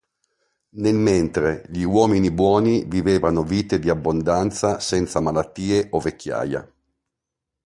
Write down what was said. Nel mentre, gli uomini buoni vivevano vite di abbondanza senza malattie o vecchiaia.